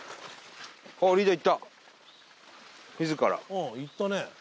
「ああ行ったね」